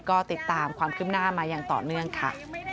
ก็ติดตามความคืบหน้ามาอย่างต่อเนื่องค่ะ